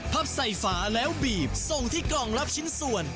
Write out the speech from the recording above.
พับใส่ฝาแล้วบีบส่งที่กล่องรับชิ้นส่วน